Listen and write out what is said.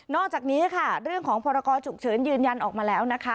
อกจากนี้ค่ะเรื่องของพรกรฉุกเฉินยืนยันออกมาแล้วนะคะ